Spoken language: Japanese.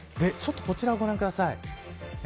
こちらをご覧ください。